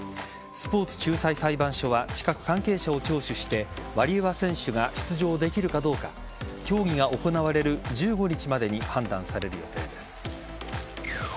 スポーツ仲裁裁判所は近く関係者を聴取してワリエワ選手が出場できるかどうか競技が行われる１５日までに判断される予定です。